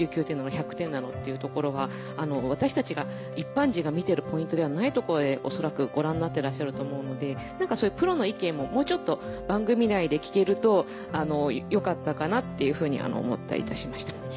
１００点なの？」っていうところは私たちが一般人が見てるポイントではないところで恐らくご覧になってらっしゃると思うのでそういうプロの意見ももうちょっと番組内で聞けるとよかったかなっていうふうに思ったりいたしました。